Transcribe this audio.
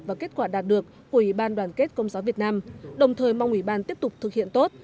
và kết quả đạt được của ủy ban đoàn kết công giáo việt nam đồng thời mong ủy ban tiếp tục thực hiện tốt